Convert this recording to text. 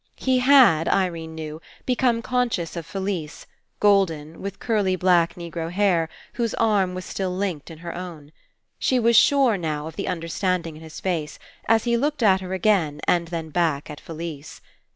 He had, Irene knew, become conscious of Felise, golden, with curly black Negro hair, whose arm was still linked in her own. She was sure, now, of the understanding in his face, as he looked at her again and then back at Felise.